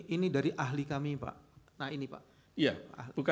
ini dari ahli kami pak